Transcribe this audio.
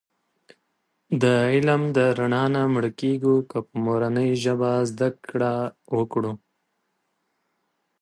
د علم د رڼا نه مړکېږو که په مورنۍ ژبه زده کړه وکړو.